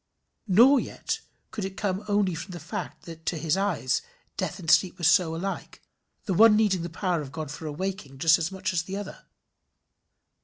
Nor yet could it come only from the fact that to his eyes death and sleep were so alike, the one needing the power of God for awaking just as much as the other.